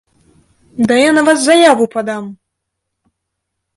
Да я на вас заяву падам!!!